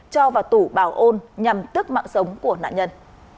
cho vào tủ bảo ôn nhằm tước mạng sống của nạn nhân